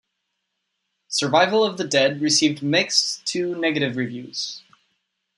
"Survival of the Dead" received mixed to negative reviews.